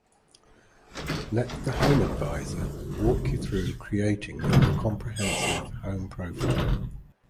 Let the Home Advisor walk you through creating your comprehensive home profile.